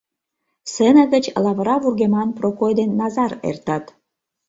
Сцена гыч лавыра вургеман Прокой ден Назар эртат.